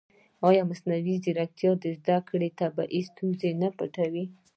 ایا مصنوعي ځیرکتیا د زده کړې طبیعي ستونزې نه پټوي؟